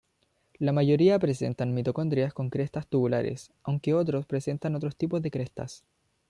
La mayoría presentan mitocondrias con crestas tubulares, aunque otros presentan otros tipos de crestas.